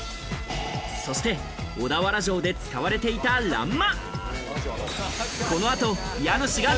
そして小田原城で使われていた欄間。